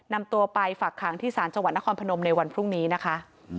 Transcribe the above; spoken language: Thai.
นำตัวไปฝักขังที่ศาลจังหวัดนครพนมในวันพรุ่งนี้นะคะ